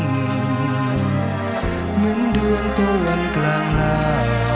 เหมือนเดือนตวนกลางหน้า